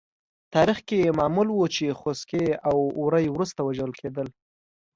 تاریخ کې معمول وه چې خوسکي او وری وروسته وژل کېدل.